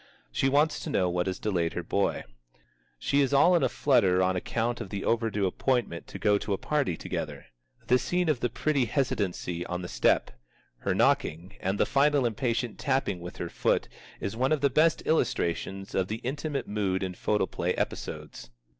She wants to know what has delayed her boy. She is all in a flutter on account of the overdue appointment to go to a party together. The scene of the pretty hesitancy on the step, her knocking, and the final impatient tapping with her foot is one of the best illustrations of the intimate mood in photoplay episodes.